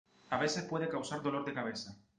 A veces puede causar dolor de cabeza.